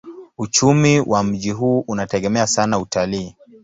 Uchumi wa mji huu unategemea sana utalii.